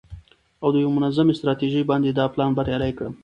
او د یوې منظمې ستراتیژۍ باندې دا پلان بریالی کړم.